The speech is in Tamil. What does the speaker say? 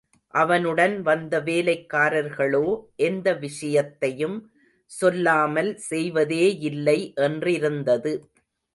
அவனுடன் வந்த வேலைக்காரர்களோ, எந்த விஷயத்தையும் சொல்லாமல் செய்வதேயில்லை என்றிருந்தது.